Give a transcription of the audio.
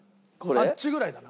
あっちぐらいだな。